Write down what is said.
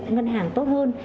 ngân hàng tốt hơn